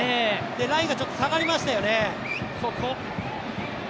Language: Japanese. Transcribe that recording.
ラインがちょっと下がりましたよね。